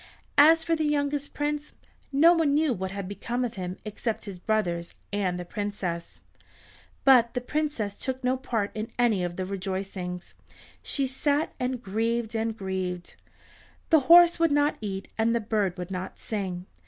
As for the youngest Prince no one knew what had become of him except his brothers and the Princess. But the Princess took no part in any of the rejoicings. She sat and grieved and grieved. The horse would not eat and the bird would not sing.